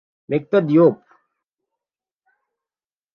Makhtar Diop